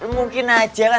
mungkin aja kan